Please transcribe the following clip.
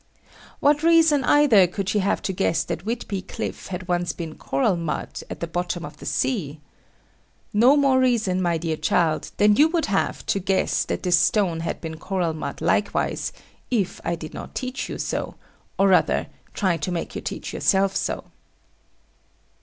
What reason either could she have to guess that Whitby cliff had once been coral mud, at the bottom of the sea? No more reason, my dear child, than you would have to guess that this stone had been coral mud likewise, if I did not teach you so, or rather, try to make you teach yourself so.